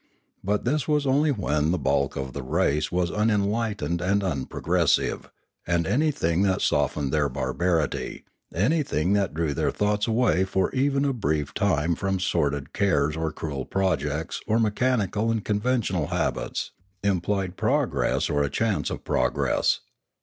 But this was only when the bulk of the race was unenlightened and unprogressive, and anything that softened their barbarity, anything that drew their thoughts away for even a brief time from sordid cares or cruel projects or mechanical and conventional habits, implied progress or a chance of progress.